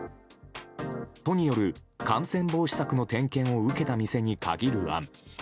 都による感染防止策の点検を受けた店に限る案